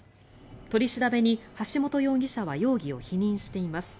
取り調べに、橋本容疑者は容疑を否認しています。